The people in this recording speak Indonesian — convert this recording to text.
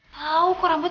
tau kok rambut